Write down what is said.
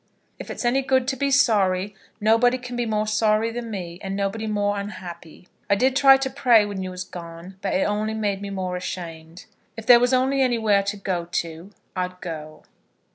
If it's any good to be sorry, nobody can be more sorry than me, and nobody more unhappy. I did try to pray when you was gone, but it only made me more ashamed. If there was only anywhere to go to, I'd go.